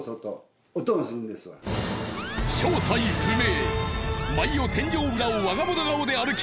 正体不明。